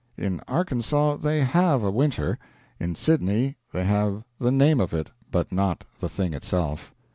In Arkansas they have a winter; in Sydney they have the name of it, but not the thing itself.